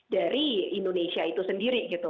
dari indonesia itu sendiri gitu